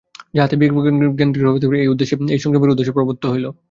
যাহাতে বিবেকজ্ঞান দৃঢ় হইতে পারে, এই উদ্দেশ্যে এই সংযমের উপদেশ প্রদত্ত হইল।